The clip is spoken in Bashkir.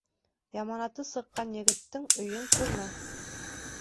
Яманаты сыҡҡан егеттең өйөн күрмә.